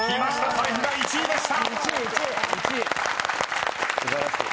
「サイフ」が１位でした］